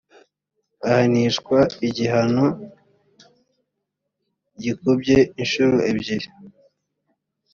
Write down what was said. ahanishwa igihano gikubye inshuro ebyiri